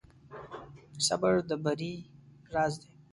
صبر د بری راز دی.